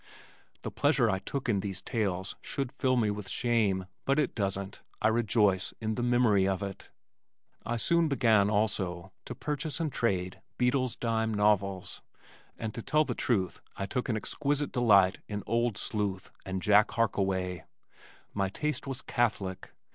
The pleasure I took in these tales should fill me with shame, but it doesn't I rejoice in the memory of it. I soon began, also, to purchase and trade "Beadle's Dime Novels" and, to tell the truth, I took an exquisite delight in Old Sleuth and Jack Harkaway. My taste was catholic.